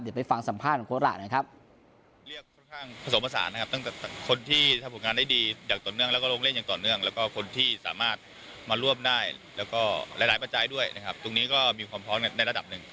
เดี๋ยวไปฟังสัมภาษณ์ของโค้ดหลักนะครับ